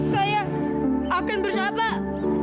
saya akan bersabak